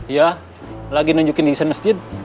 iya lagi nunjukin di sen mesjid